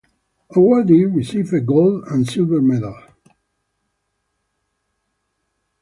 Awardees receive a gold-and-silver medal.